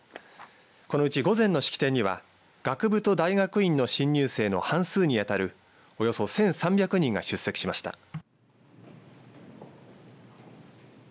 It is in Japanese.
このうち、午前の式典には学部と大学院の新入生の半数にあたるおよそ１３００人が出席しました。